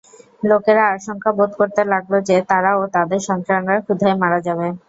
লোকেরা আশঙ্কা বোধ করতে লাগল যে, তারা ও তাদের সন্তানরা ক্ষুধায় মারা যাবে।